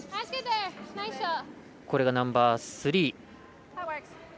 これが、ナンバースリー。